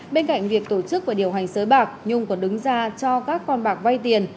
bên cạnh việc tổ chức và điều hành sới bạc nhung còn đứng ra cho các con bạc vai tiền